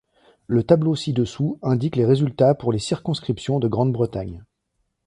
Le tableau ci-dessous indique les résultats pour les circonscriptions de Grande-Bretagne.